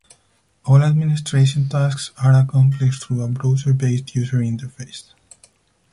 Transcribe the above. All administration tasks are accomplished through a browser-based user interface.